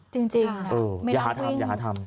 จริงอย่าหาทำอย่าหาทำ